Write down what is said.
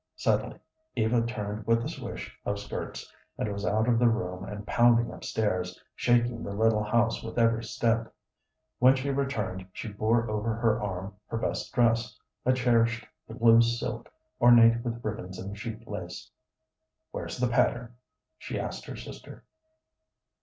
Suddenly Eva turned with a swish of skirts, and was out of the room and pounding up stairs, shaking the little house with every step. When she returned she bore over her arm her best dress a cherished blue silk, ornate with ribbons and cheap lace. "Where's that pattern?" she asked her sister.